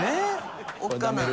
おっかない。